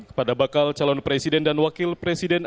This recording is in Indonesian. kepada bakal calon presiden dan wakil presiden